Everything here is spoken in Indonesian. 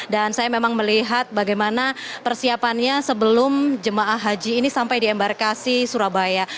dan saya memang melihat bagaimana persiapannya sebelum jemaah haji ini sampai di embarkasi surabaya